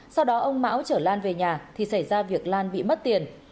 sau đó ông mão trở lan về nhà thì xảy ra việc lan bị mất tiền